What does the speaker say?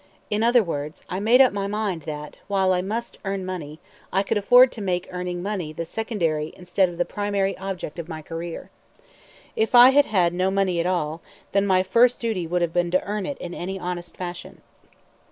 In other words, I made up my mind that, while I must earn money, I could afford to make earning money the secondary instead of the primary object of my career. If I had had no money at all, then my first duty would have been to earn it in any honest fashion.